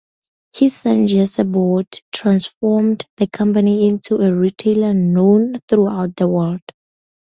His son Jesse Boot transformed the company into a retailer known throughout the world.